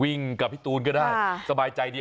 วิ่งกับพี่ตูนก็ได้สบายใจดีออก